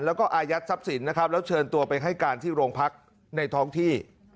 แล้วก็อายัดทรัพย์สินนะครับแล้วเชิญตัวไปให้การที่โรงพักในท้องที่